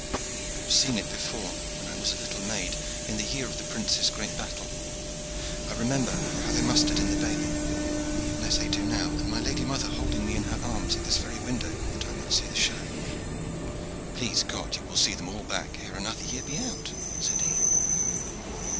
I have seen it before, when I was a little maid, in the year of the Prince's great battle. I remember then how they mustered in the bailey, even as they do now, and my lady mother holding me in her arms at this very window that I might see the show." "Please God, you will see them all back ere another year be out," said he.